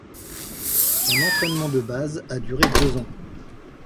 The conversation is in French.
Son entraînement de base a duré deux ans.